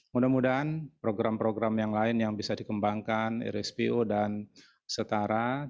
mudah mudahan program program yang lain yang bisa dikembangkan rspo dan setara